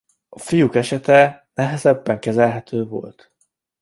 A fiúk esete nehezebben kezelhető volt.